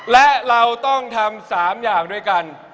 และเราต้องทำ๓อย่างด้วยกัน